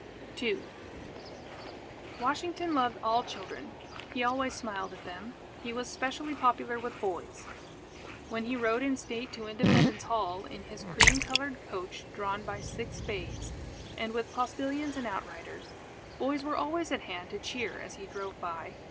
II Washington loved all children. He always smiled at them. He was specially popular with boys. When he rode in state to Independence Hall in his cream coloured coach drawn by six bays, and with postilions and outriders, boys were always at hand to cheer as he drove by.